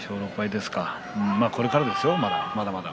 でもこれからですよ、まだまだ。